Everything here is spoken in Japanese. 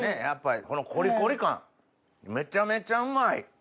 やっぱりこのコリコリ感めちゃめちゃうまい！